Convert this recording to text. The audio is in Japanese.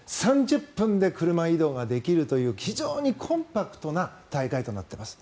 ３０分で車移動ができるという非常にコンパクトな大会となっています。